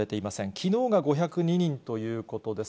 きのうが５０２人ということです。